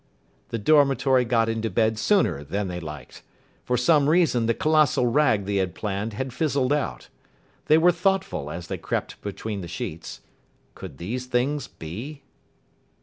The dormitory got into bed sooner than they liked. For some reason the colossal rag they had planned had fizzled out. They were thoughtful as they crept between the sheets. Could these things be?